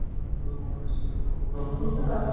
ওয়াল স্ট্রিটে আমার অনেকগুলো কন্টাক্ট আছে।